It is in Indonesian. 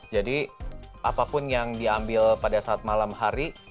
jadi apapun yang diambil pada saat malam hari